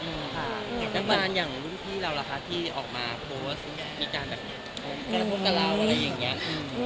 นักงานอย่างรุ่นพี่เราล่ะคะที่ออกมาโพสต์มีการแบบกระทบกับเราอะไรอย่างนี้